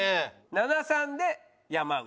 ７：３で山内。